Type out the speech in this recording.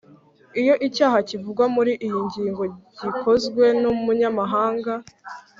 iyo icyaha kivugwa muri iyi ngingo gikozwe n’umunyamahanga,